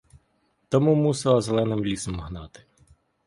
Тому мусила зеленим лісом гнати.